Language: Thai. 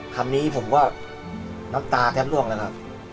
คำนี้ผมก็น้ำตาแทบล่วงเลยครับ